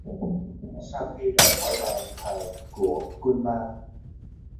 Sau khi rời khỏi bàn thờ của kuman